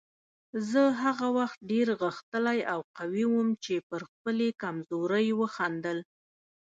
زه هغه وخت ډېر غښتلی او قوي وم چې پر خپلې کمزورۍ وخندل.